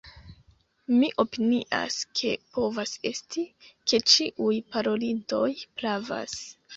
Mi opinias, ke povas esti, ke ĉiuj parolintoj pravas.